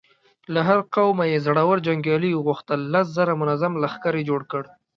له هر قومه يې زړور جنګيالي وغوښتل، لس زره منظم لښکر يې جوړ کړ.